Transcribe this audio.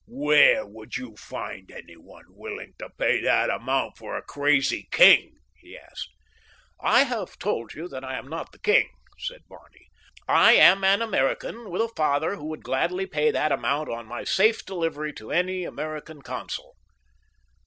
"Where would you find any one willing to pay that amount for a crazy king?" he asked. "I have told you that I am not the king," said Barney. "I am an American with a father who would gladly pay that amount on my safe delivery to any American consul."